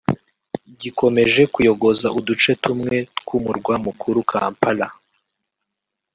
gikomeje kuyogoza uduce tumwe tw’umurwa mukuru Kampala